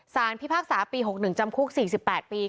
พิพากษาปี๖๑จำคุก๔๘ปี